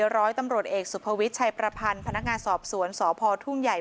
ร้อยตำรวจเอกสุภวิทย์ชัยประพันธ์พนักงานสอบสวนสพทุ่งใหญ่